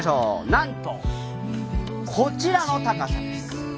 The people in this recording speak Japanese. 何とこちらの高さです。